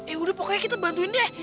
eh udah pokoknya kita bantuin dia